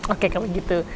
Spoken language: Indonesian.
oke kalau gitu